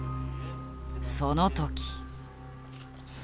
その時。